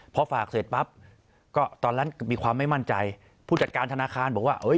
พอฝากเสร็จปั๊บก็ตอนนั้นมีความไม่มั่นใจผู้จัดการธนาคารบอกว่า